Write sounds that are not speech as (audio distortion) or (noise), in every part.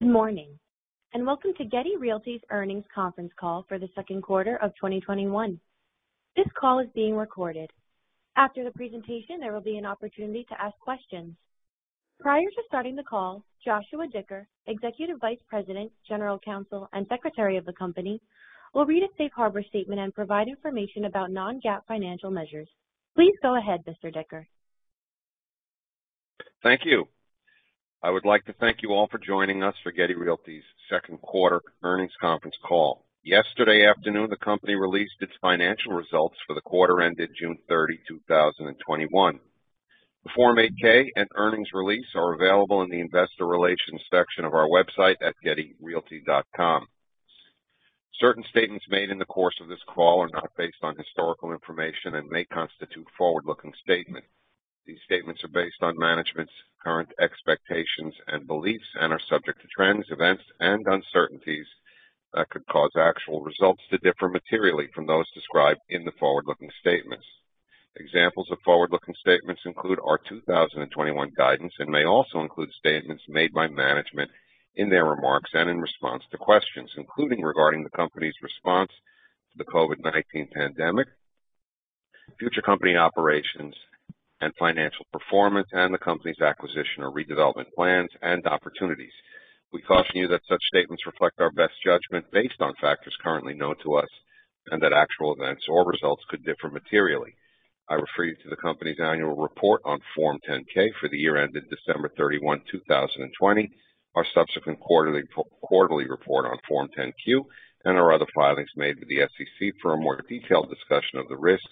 Good morning. Welcome to Getty Realty's Earnings Conference Call for the Second Quarter of 2021. This call is being recorded. After the presentation, there will be an opportunity to ask questions. Prior to starting the call, Joshua Dicker, Executive Vice President, General Counsel, and Secretary of the company, will read a safe harbor statement and provide information about non-GAAP financial measures. Please go ahead, Mr. Dicker. Thank you. I would like to thank you all for joining us for Getty Realty's second quarter earnings conference call. Yesterday afternoon, the company released its financial results for the quarter ended June 30, 2021. The Form 8-K and earnings release are available in the Investor Relations section of our website at gettyrealty.com. Certain statements made in the course of this call are not based on historical information and may constitute forward-looking statements. These statements are based on management's current expectations and beliefs and are subject to trends, events, and uncertainties that could cause actual results to differ materially from those described in the forward-looking statements. Examples of forward-looking statements include our 2021 guidance and may also include statements made by management in their remarks and in response to questions, including regarding the Company's response to the COVID-19 pandemic, future Company operations and financial performance, and the Company's acquisition or redevelopment plans and opportunities. We caution you that such statements reflect our best judgment based on factors currently known to us, and that actual events or results could differ materially. I refer you to the company's annual report on Form 10-K for the year ended December 31, 2020, our subsequent quarterly report on Form 10-Q and our other filings made with the SEC for a more detailed discussion of the risks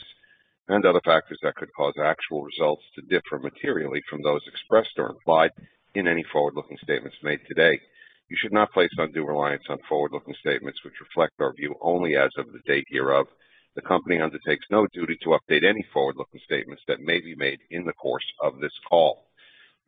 and other factors that could cause actual results to differ materially from those expressed or implied in any forward-looking statements made today. You should not place undue reliance on forward-looking statements, which reflect our view only as of the date hereof. The Company undertakes no duty to update any forward-looking statements that may be made in the course of this call.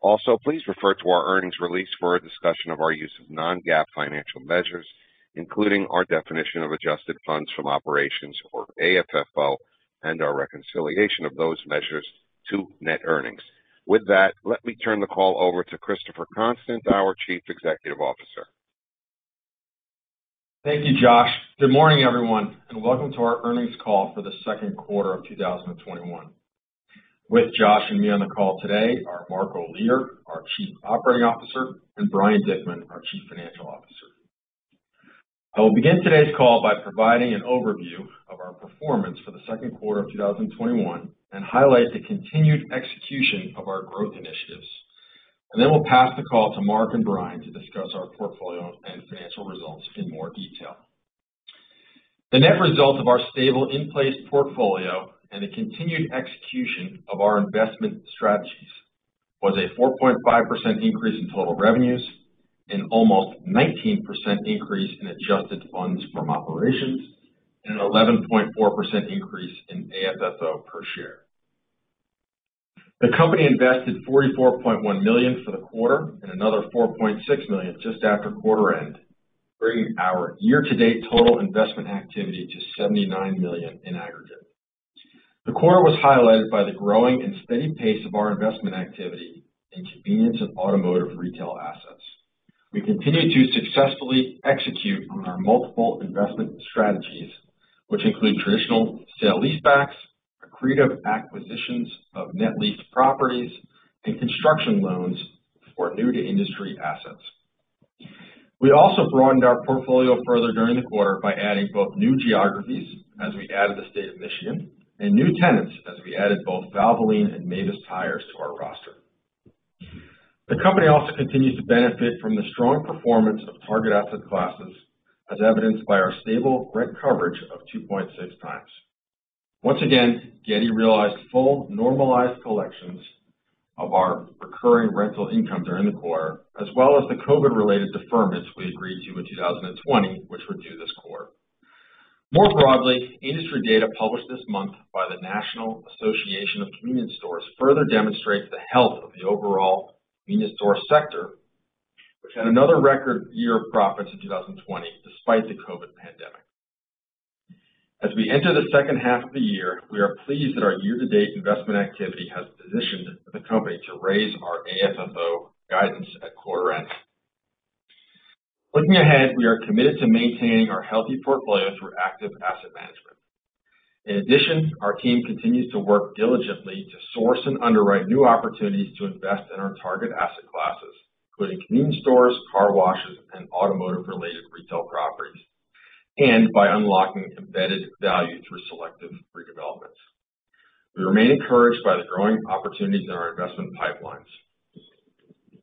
Also, please refer to our earnings release for a discussion of our use of non-GAAP financial measures, including our definition of adjusted funds from operations, or AFFO, and our reconciliation of those measures to net earnings. With that, let me turn the call over to Christopher Constant, our Chief Executive Officer. Thank you, Josh. Good morning, everyone, and welcome to our earnings call for the second quarter of 2021. With Josh and me on the call today are Mark Olear, our Chief Operating Officer, and Brian Dickman, our Chief Financial Officer. I will begin today's call by providing an overview of our performance for the second quarter of 2021 and highlight the continued execution of our growth initiatives. Then we'll pass the call to Mark and Brian to discuss our portfolio and financial results in more detail. The net result of our stable in-place portfolio and the continued execution of our investment strategies was a 4.5% increase in total revenues, an almost 19% increase in adjusted funds from operations, and an 11.4% increase in AFFO per share. The Company invested $44.1 million for the quarter, and another $4.6 million just after quarter end, bringing our year-to-date total investment activity to $79 million in aggregate. The quarter was highlighted by the growing and steady pace of our investment activity in convenience and automotive retail assets. We continued to successfully execute on our multiple investment strategies, which include traditional sale-leasebacks, accretive acquisitions of net leased properties, and construction loans for new-to-industry assets. We also broadened our portfolio further during the quarter by adding both new geographies, as we added the state of Michigan, and new tenants, as we added both Valvoline and Mavis Tires to our roster. The Company also continues to benefit from the strong performance of target asset classes, as evidenced by our stable rent coverage of 2.6x. Once again, Getty realized full normalized collections of our recurring rental income during the quarter, as well as the COVID-related deferments we agreed to in 2020, which were due this quarter. More broadly, industry data published this month by the National Association of Convenience Stores further demonstrates the health of the overall convenience store sector, which had another record year of profits in 2020 despite the COVID pandemic. As we enter the second half of the year, we are pleased that our year-to-date investment activity has positioned the Company to raise our AFFO guidance at quarter end. Looking ahead, we are committed to maintaining our healthy portfolio through active asset management. In addition, our team continues to work diligently to source and underwrite new opportunities to invest in our target asset classes, including convenience stores, car washes, and automotive-related retail properties, and by unlocking embedded value through selected redevelopments. We remain encouraged by the growing opportunities in our investment pipelines.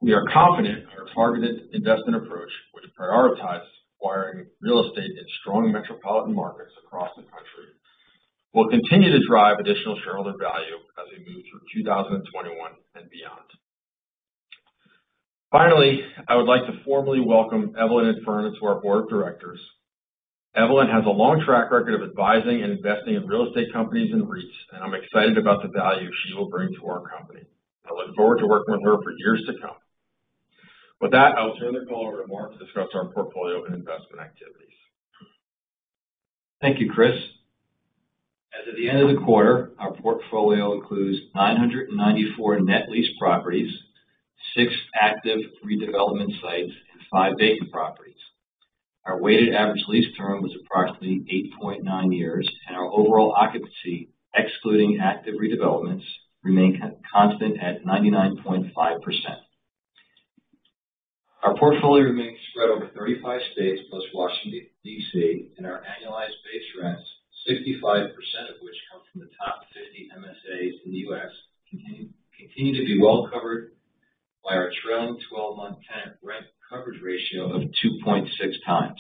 We are confident our targeted investment approach, which prioritizes acquiring real estate in strong metropolitan markets across the country. We'll continue to drive additional shareholder value as we move through 2021 and beyond. Finally, I would like to formally welcome Evelyn Infurna to our Board of Directors. Evelyn has a long track record of advising and investing in real estate companies and REITs and I'm excited about the value she will bring to our Company. I look forward to working with her for years to come. With that, I will turn the call over to Mark to discuss our portfolio and investment activities. Thank you, Chris. As at the end of the quarter, our portfolio includes 994 net leased properties, six active redevelopment sites, and five vacant properties. Our weighted average lease term was approximately 8.9 years, and our overall occupancy, excluding active redevelopments, remain constant at 99.5%. Our portfolio remains spread over 35 states plus Washington, D.C., and our annualized base rents, 65% of which come from the top 15 MSAs in the U.S., continue to be well-covered by our trailing 12-month tenant rent coverage ratio of 2.6x.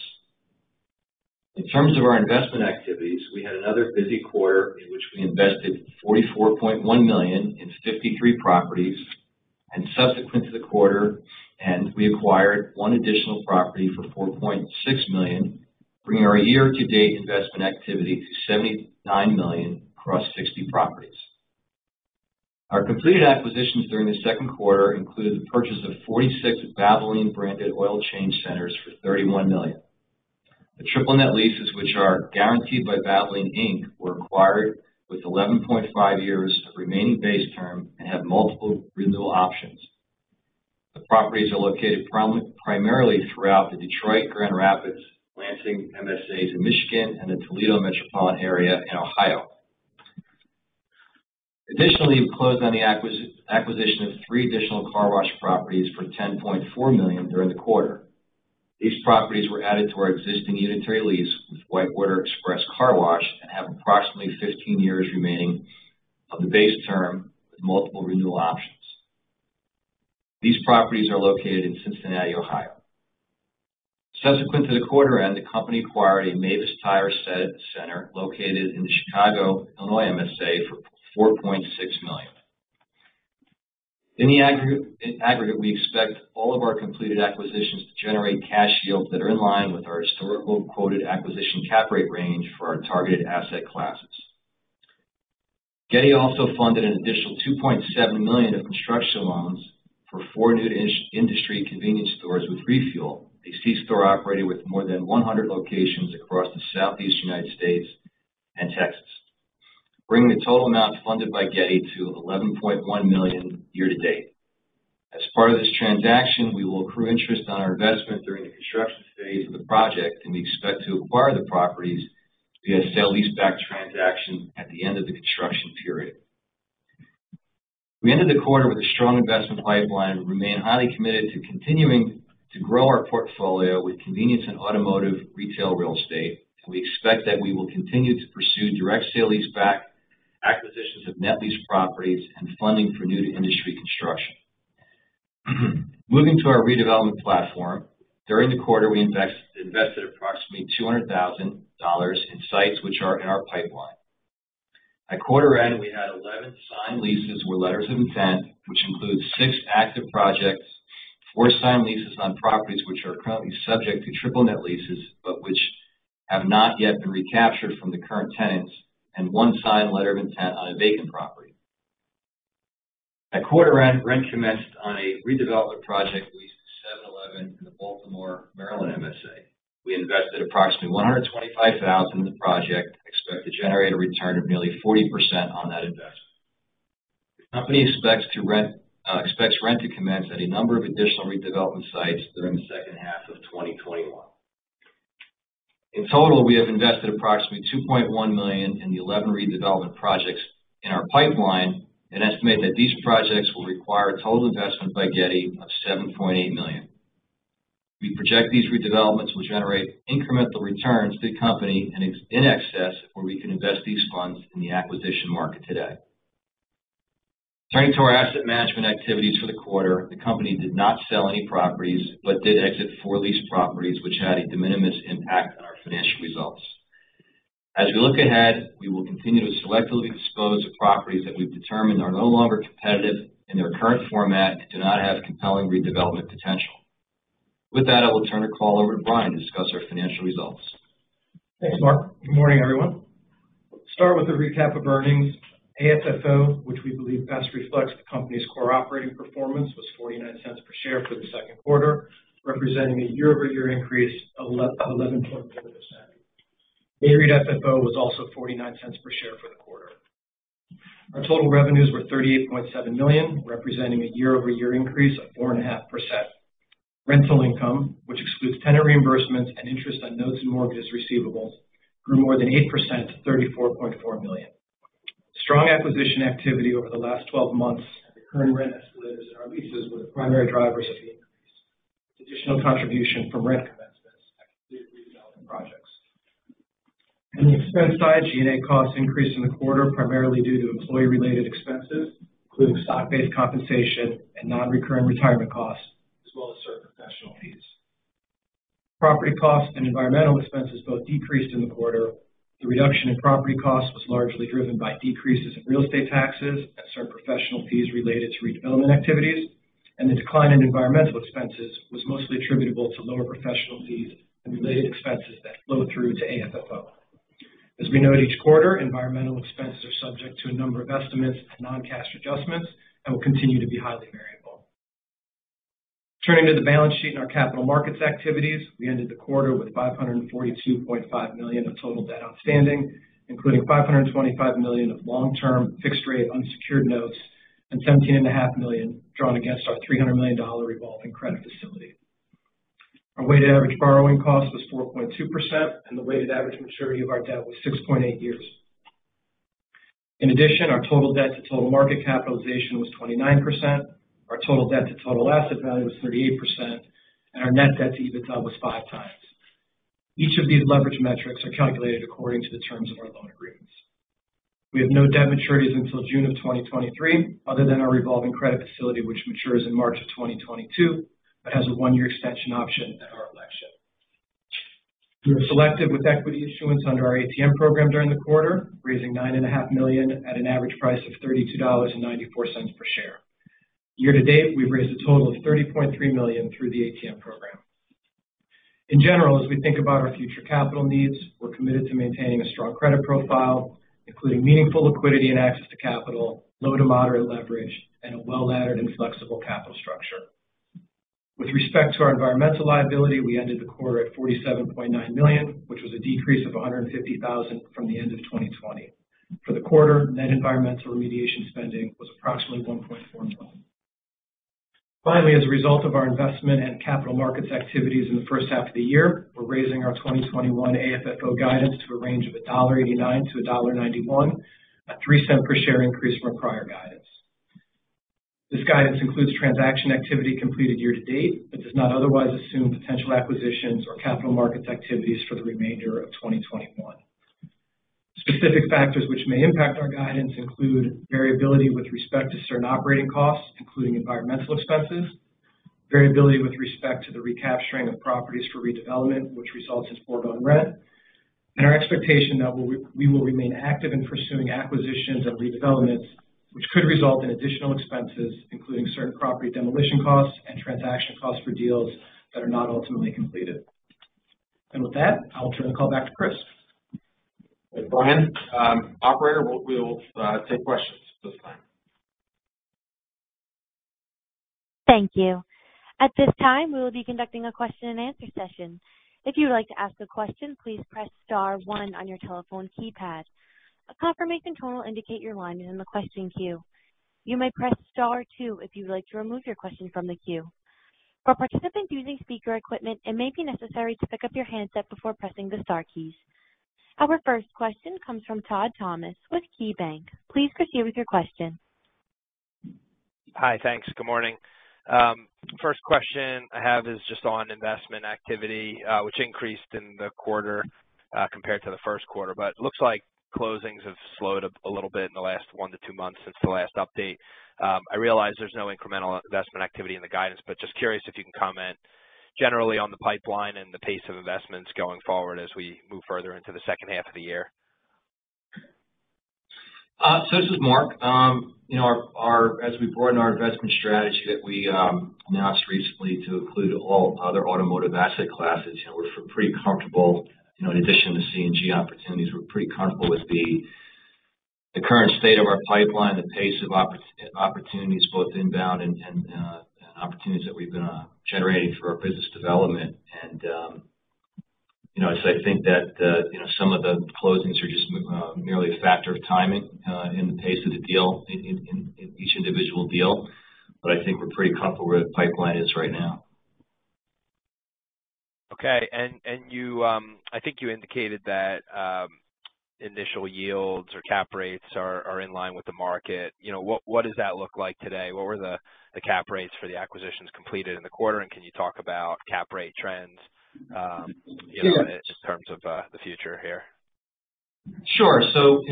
In terms of our investment activities, we had another busy quarter in which we invested $44.1 million in 53 properties, and subsequent to the quarter, we acquired one additional property for $4.6 million, bringing our year-to-date investment activity to $79 million across 60 properties. Our completed acquisitions during the second quarter included the purchase of 46 Valvoline-branded oil change centers for $31 million. The triple net leases, which are guaranteed by Valvoline Inc., were acquired with 11.5 years of remaining base term and have multiple renewal options. The properties are located primarily throughout the Detroit, Grand Rapids, Lansing MSAs in Michigan, and the Toledo metropolitan area in Ohio. Additionally, we closed on the acquisition of three additional car wash properties for $10.4 million during the quarter. These properties were added to our existing unitary lease with WhiteWater Express Car Wash and have approximately 15 years remaining of the base term with multiple renewal options. These properties are located in Cincinnati, Ohio. Subsequent to the quarter end, the Company acquired a Mavis Tire center located in the Chicago, Illinois MSA for $4.6 million. In the aggregate, we expect all of our completed acquisitions to generate cash yields that are in line with our historical quoted acquisition cap rate range for our targeted asset classes. Getty also funded an additional $2.7 million of construction loans for four new-to-industry convenience stores with Refuel, a c-store operator with more than 100 locations across the Southeast United States and Texas, bringing the total amount funded by Getty to $11.1 million year-to-date. As part of this transaction, we will accrue interest on our investment during the construction phase of the project, and we expect to acquire the properties via sale-leaseback transaction at the end of the construction period. We ended the quarter with a strong investment pipeline, remain highly committed to continuing to grow our portfolio with convenience and automotive retail real estate. We expect that we will continue to pursue direct sale-leaseback, acquisitions of net lease properties and funding for new-to-industry construction. Moving to our redevelopment platform. During the quarter, we invested approximately $200,000 in sites which are in our pipeline. At quarter end, we had 11 signed leases with letters of intent, which includes six active projects, four signed leases on properties which are currently subject to triple net leases, but which have not yet been recaptured from the current tenants, and one signed letter of intent on a vacant property. At quarter end, rent commenced on a redevelopment project leased to 7-Eleven in the Baltimore, Maryland MSA. We invested approximately $125,000 in the project and expect to generate a return of nearly 40% on that investment. The Company expects rent to commence at a number of additional redevelopment sites during the second half of 2021. In total, we have invested approximately $2.1 million in the 11 redevelopment projects in our pipeline and estimate that these projects will require a total investment by Getty of $7.8 million. We project these redevelopments will generate incremental returns to the Company in excess where we can invest these funds in the acquisition market today. Turning to our asset management activities for the quarter, the Company did not sell any properties but did exit four leased properties, which had a de minimis impact on our financial results. As we look ahead, we will continue to selectively dispose of properties that we've determined are no longer competitive in their current format and do not have compelling redevelopment potential. With that, I will turn the call over to Brian to discuss our financial results. Thanks, Mark. Good morning, everyone. I'll start with a recap of earnings, AFFO, which we believe best reflects the Company's core operating performance, was $0.49 per share for the second quarter, representing a year-over-year increase of 11.1%. NAREIT FFO was also $0.49 per share for the quarter. Our total revenues were $38.7 million, representing a year-over-year increase of 4.5%. Rental income, which excludes tenant reimbursements and interest on notes and mortgages receivable, grew more than 8% to $34.4 million. Strong acquisition activity over the last 12 months and the current (audio distortion) our leases were the primary drivers of the increase, additional contribution from rent commencements (audio distortion) projects. On the expense side, G&A cost increased in the quarter, primarily due to employee-related expenses, including stock-based compensation and non-recurring retirement costs, as well as certain professional fees. Property costs and environmental expenses both decreased in the quarter. The reduction in property costs was largely driven by decreases in real estate taxes and certain professional fees related to redevelopment activities. The decline in environmental expenses was mostly attributable to lower professional fees and related expenses that flow through to AFFO. As we note each quarter, environmental expenses are subject to a number of estimates and non-cash adjustments and will continue to be highly variable. Turning to the balance sheet and our capital markets activities, we ended the quarter with $542.5 million of total debt outstanding, including $525 million of long-term fixed-rate unsecured notes and $17.5 million drawn against our $300 million revolving credit facility. Our weighted average borrowing cost was 4.2%, and the weighted average maturity of our debt was 6.8 years. In addition, our total debt to total market capitalization was 29%, our total debt to total asset value was 38%, and our net debt-to-EBITDA was 5x. Each of these leverage metrics are calculated according to the terms of our loan agreements. We have no debt maturities until June of 2023, other than our revolving credit facility, which matures in March of 2022, but has a one-year extension option at our election. We were selective with equity issuance under our ATM program during the quarter, raising $9.5 million at an average price of $32.94 per share. Year-to-date, we've raised a total of $30.3 million through the ATM program. In general, as we think about our future capital needs, we're committed to maintaining a strong credit profile, including meaningful liquidity and access to capital, low-to-moderate leverage, and a well-laddered and flexible capital structure. With respect to our environmental liability, we ended the quarter at $47.9 million, which was a decrease of $150,000 from the end of 2020. For the quarter, net environmental remediation spending was approximately $1.4 million. Finally, as a result of our investment and capital markets activities in the first half of the year, we're raising our 2021 AFFO guidance to a range of $1.89-$1.91, a $0.03 per share increase from our prior guidance. This guidance includes transaction activity completed year-to-date, but does not otherwise assume potential acquisitions or capital markets activities for the remainder of 2024. Specific factors which may impact our guidance include variability with respect to certain operating costs, including environmental expenses, variability with respect to the recapturing of properties for redevelopment, which results in foregoing rent, and our expectation that we will remain active in pursuing acquisitions and redevelopments, which could result in additional expenses, including certain property demolition costs and transaction costs for deals that are not ultimately completed. With that, I'll turn the call back to Chris. Thanks, Brian. Operator, we'll take questions at this time. Our first question comes from Todd Thomas with KeyBanc. Please proceed with your question. Hi. Thanks. Good morning. First question I have is just on investment activity, which increased in the quarter, compared to the first quarter. Looks like closings have slowed up a little bit in the last one to two months since the last update. I realize there is no incremental investment activity in the guidance. Just curious if you can comment generally on the pipeline and the pace of investments going forward as we move further into the second half of the year. This is Mark. As we broaden our investment strategy that we announced recently to include all other automotive asset classes, in addition to CNG opportunities, we're pretty comfortable with the current state of our pipeline, the pace of opportunities, both inbound and opportunities that we've been generating through our business development. I think that some of the closings are just merely a factor of timing in the pace of the deal, in each individual deal. I think we're pretty comfortable where the pipeline is right now. Okay. I think you indicated that initial yields or cap rates are in line with the market. What does that look like today? What were the cap rates for the acquisitions completed in the quarter? Can you talk about cap rate trends in terms of the future here? Sure.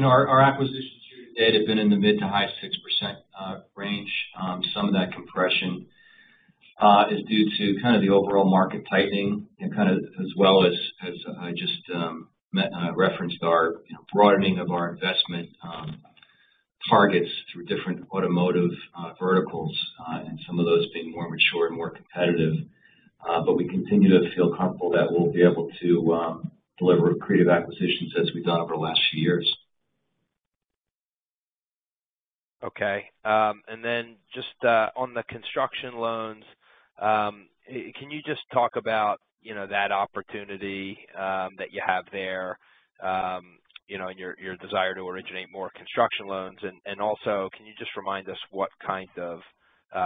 Our acquisitions through to date have been in the mid- to high- 6% range. Some of that compression is due to kind of the overall market tightening and kind of as well as I just referenced our broadening of our investment targets through different automotive verticals, and some of those being more mature and more competitive. We continue to feel comfortable that we'll be able to deliver accretive acquisitions as we've done over the last few years. Okay. Just on the construction loans, can you just talk about that opportunity that you have there? Your desire to originate more construction loans. Also, can you just remind us what kind of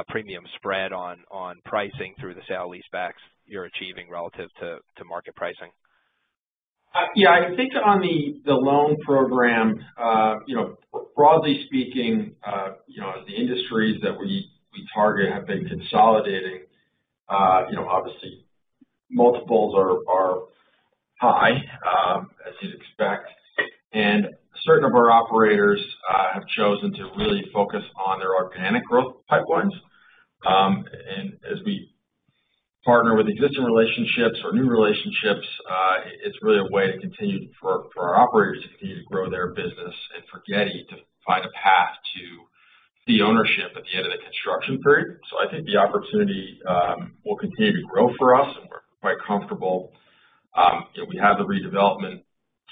premium spread on pricing through the sale-leasebacks you're achieving relative to market pricing? Yeah. I think on the loan program, broadly speaking, the industries that we target have been consolidating, obviously multiples are high as you'd expect, and a certain number of operators have chosen to really focus on their organic growth pipelines. As we partner with existing relationships or new relationships, it's really a way for our operators to continue to grow their business and for Getty to find a path to the ownership at the end of the construction period. I think the opportunity will continue to grow for us and we're quite comfortable. We have the redevelopment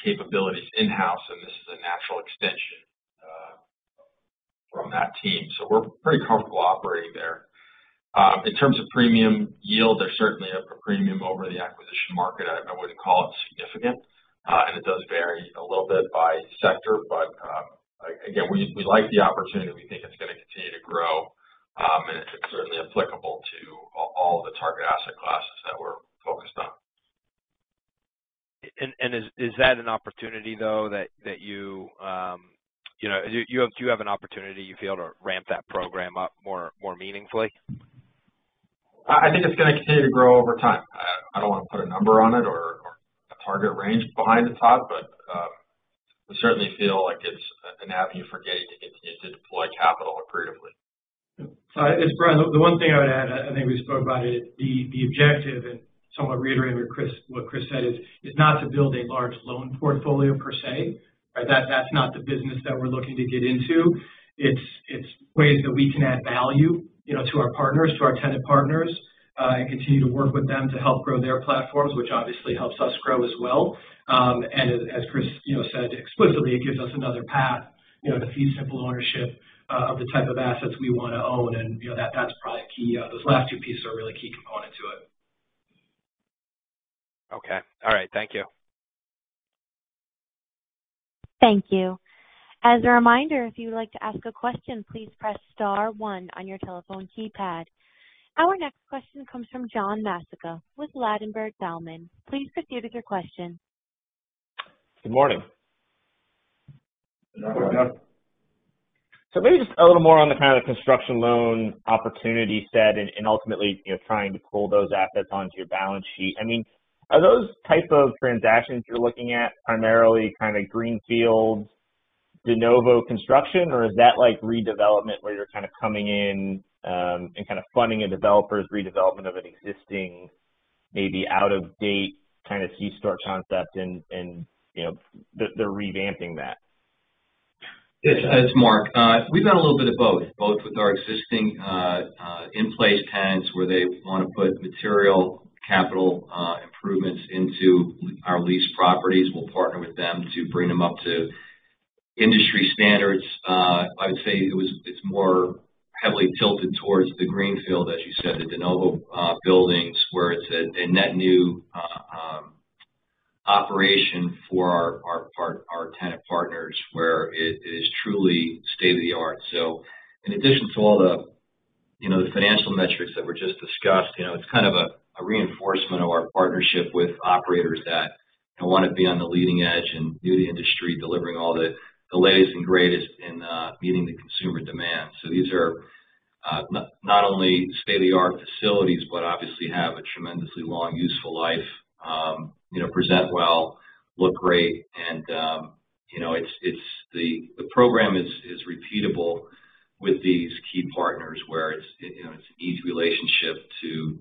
capabilities in-house, and this is a natural extension from that team. We're pretty comfortable operating there. In terms of premium yield, there's certainly a premium over the acquisition market. I wouldn't call it significant. It does vary a little bit by sector. Again, we like the opportunity. We think it's going to continue to grow. It's certainly, applicable to all the target asset classes that we're focused on. Is that an opportunity, though, Do you have an opportunity, you feel, to ramp that program up more meaningfully? I think it's going to continue to grow over time. I don't want to put a number on it or a target range behind it, Todd, but we certainly feel like it's an avenue for Getty to continue to deploy capital accretively. It's Brian. The one thing I would add, I think we spoke about it, the objective and somewhat reiterated what Chris said, is not to build a large loan portfolio per se. That's not the business that we're looking to get into. It's ways that we can add value to our partners, to our tenant partners, and continue to work with them to help grow their platforms, which obviously helps us grow as well. As Chris said explicitly, it gives us another path to feed simple ownership of the type of assets we want to own. That's probably key. Those last two pieces are a really key component to it. Okay. All right. Thank you. Thank you. As a reminder, if you would like to ask a question, please press star one on your telephone keypad. Our next question comes from John Massocca with Ladenburg Thalmann. Please proceed with your question. Good morning. Good morning. Maybe just a little more on the kind of construction loan opportunity you said and ultimately, trying to pull those assets onto your balance sheet. Are those type of transactions you're looking at primarily kind of greenfield, de novo construction, or is that like redevelopment where you're kind of coming in and kind of funding a developers' redevelopment of an existing, maybe out-of-date kind of c-store concept, and they're revamping that? It's Mark. We've done a little bit of both with our existing in-place tenants where they want to put material capital improvements into our lease properties. We'll partner with them to bring them up to industry standards. I would say it's more heavily tilted towards the greenfield, as you said, the de novo buildings, where it's a net new operation for our tenant partners where it is truly state-of-the-art. In addition to all the financial metrics that were just discussed, it's kind of a reinforcement of our partnership with operators that want to be on the leading edge and new-to-the industry, delivering all the latest and greatest in meeting the consumer demands. These are not only state-of-the-art facilities, but obviously have a tremendously long useful life, present well, look great, and the program is repeatable with these key partners where it's an ease relationship to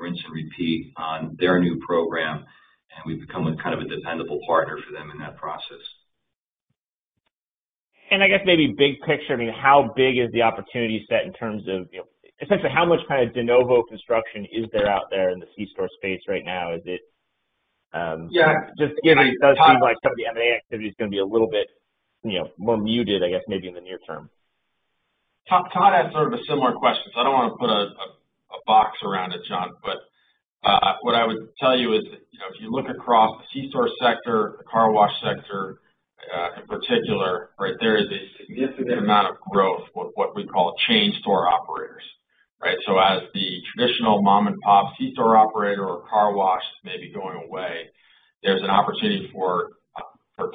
rinse and repeat on their new program, and we've become a kind of a dependable partner for them in that process. I guess maybe big picture, how big is the opportunity set essentially, how much kind of de novo construction is there out there in the c-store space right now? Yeah. Just to give you, it does seem like some of the M&A activities going to be a little bit more muted, I guess, maybe in the near-term? Todd had sort of a similar question, so I don't want to put a box around it, John. What I would tell you is, if you look across the c-store sector, the car wash sector in particular, there is a significant amount of growth, what we call, a chain store operators, right? So as the traditional mom-and-pop, c-store operator or car wash may be going away, there's an opportunity for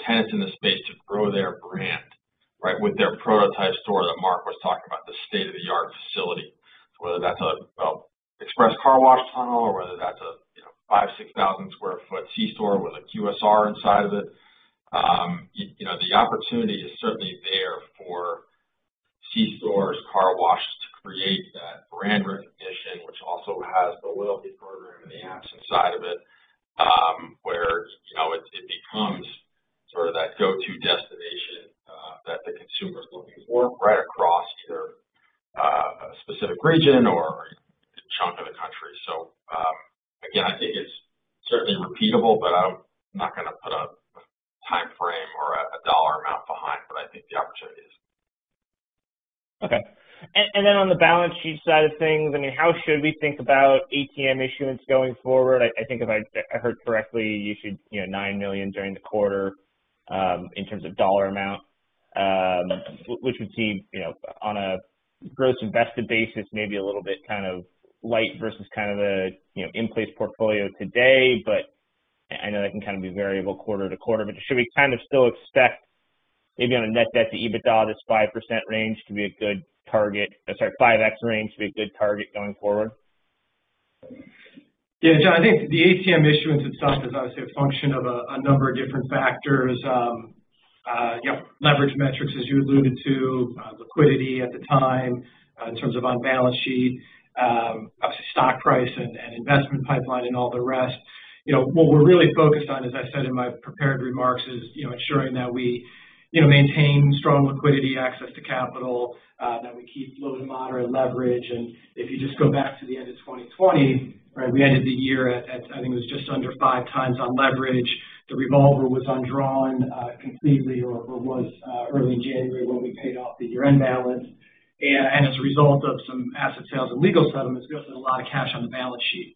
tenants in the space to grow their brand with their prototype store that Mark was talking about, the state-of-the-art facility. Whether that's a express car wash tunnel or whether that's a 5,000-6,000 sq ft c-store with a QSR inside of it. The opportunity is certainly there for c-stores car washes to create that brand recognition, which also has the royalty program and the absence side of it, where it becomes sort of that go-to destination that the consumer is looking for right across either a specific region or a chunk of the country. Again, I think it's certainly repeatable, but I'm not going to put a timeframe or a dollar amount behind, but I think the opportunity is. Okay. Then on the balance sheet side of things, how should we think about ATM issuance going forward? I think if I heard correctly, you issued $9 million during the quarter in terms of dollar amount, which would seem on a gross invested basis, maybe a little bit kind of light versus kind of the in-place portfolio today. I know that can kind of be variable quarter-to-quarter, should we kind of still expect maybe on a net debt-to-EBITDA, this 5% range to be a good target? Sorry, 5x range to be a good target going forward? Yeah, John, I think the ATM issuance itself is obviously a function of a number of different factors. Leverage metrics, as you alluded to, liquidity at the time, in terms of on-balance sheet, stock price and investment pipeline, and all the rest. What we're really focused on, as I said in my prepared remarks, is ensuring that we maintain strong liquidity access to capital that we keep low-t-moderate leverage. If you just go back to the end of 2020, right? We ended the year at, I think it was just under 5x on leverage. The revolver was undrawn completely or it was early January when we paid off the year-end balance. As a result of some asset sales and legal settlements, there's a lot of cash on the balance sheet.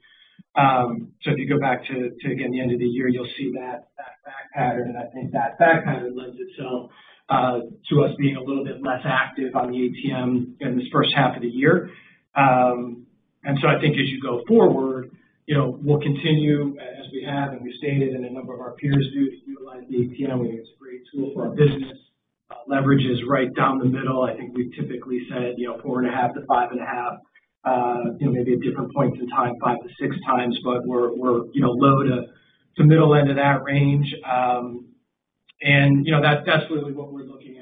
If you go back to, again, the end of the year, you'll see that back pattern, and I think that back pattern lends itself to us being a little bit less active on the ATM kind of this first half of the year. I think as you go forward, we'll continue as we have and we stated, and a number of our peers do, to utilize the ATM, it's a great tool for our business. Leverage is right down the middle. I think we've typically said 4.5x-5.5x, maybe at different points in time, 5x-6x, but we're low-to-middle end of that range. That's really what we're looking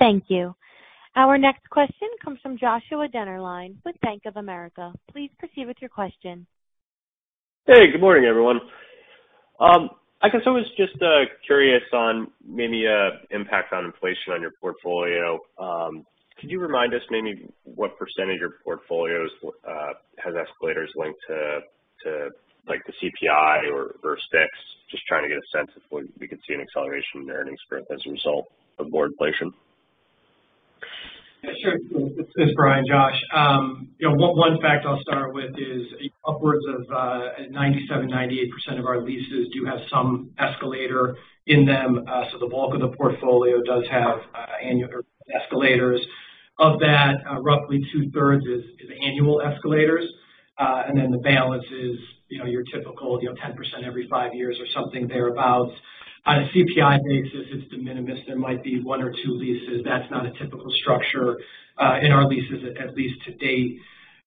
at as we execute on the ATM. Thank you. Our next question comes from Joshua Dennerlein with Bank of America. Please proceed with your question. Hey, good morning, everyone. I guess, I was just curious on maybe impact on inflation on your portfolio. Could you remind us maybe what percent of your portfolios has escalators linked to the CPI or [fixed]? Just trying to get a sense of we could see an acceleration in earnings growth as a result of more inflation? Yeah, sure. This is Brian, Josh. One fact I'll start with is, upwards of 97%-98% of our leases do have some escalator in them. The bulk of the portfolio does have annual escalators. Of that, roughly two-thirds is annual escalators. The balance is your typical 10% every five years or something thereabouts. On a CPI basis, it's de minimis. There might be one or two leases. That's not a typical structure in our leases, at least to date.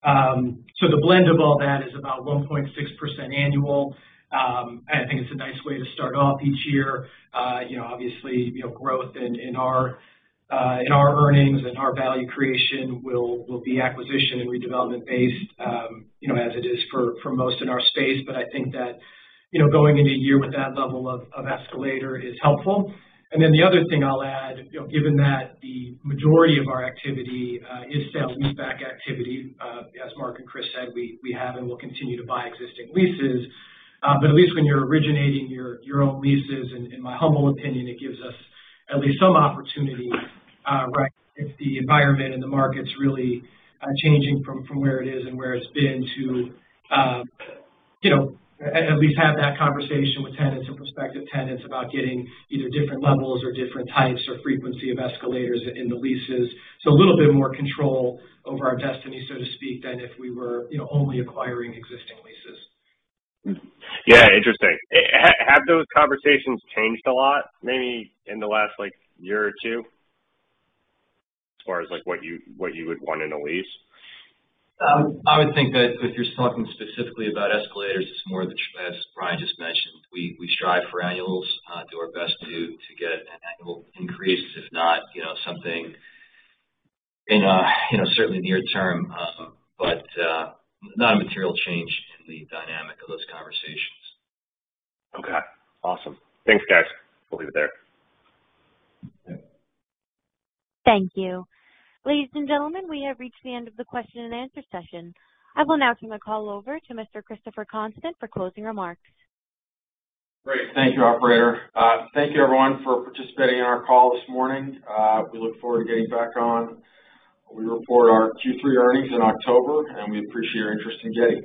The blend of all that is about 1.6% annual. I think it's a nice way to start off each year. Obviously, growth in our earnings, in our value creation will be acquisition and redevelopment-based, as it is for most in our space. I think that going into year with that level of escalator is helpful. The other thing I'll add, given that the majority of our activity is sale-leaseback activity, as Mark and Chris said, we have and will continue to buy existing leases. At least when you're originating your own leases, in my humble opinion, it gives us at least some opportunity, right? If the environment and the market's really changing from where it is and where it's been to at least have that conversation with tenants or prospective tenants about getting either different levels or different types or frequency of escalators in the leases. A little bit more control over our destiny, so to speak, than if we were only acquiring existing leases. Yeah, interesting. Have those conversations changed a lot maybe in the last year or two? Or is it like what you would want in a lease? I would think that if you're talking specifically about escalators, it's more as Brian just mentioned. We strive for annuals, do our best to get an annual increase, if not, something, in certainly near-term, but not a material change in the dynamic of those conversations. Okay, awesome. Thanks, guys. I'll leave it there. Okay. Thank you. Ladies and gentlemen, we have reached the end of the question-and-answer session. I will now turn the call over to Mr. Christopher Constant for closing remarks. Great. Thank you, operator. Thank you everyone for participating in our call this morning. We look forward to getting back on when we report our Q3 earnings in October, and we appreciate your interest in Getty.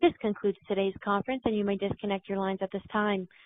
This concludes today's conference, and you may disconnect your lines at this time.